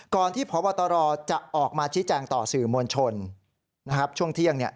ที่พบตรจะออกมาชี้แจงต่อสื่อมวลชนนะครับช่วงเที่ยง